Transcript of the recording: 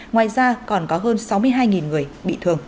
ngoài ra còn có hơn sáu mươi hai người bị thương